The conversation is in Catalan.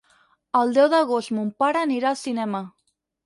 El deu d'agost mon pare anirà al cinema.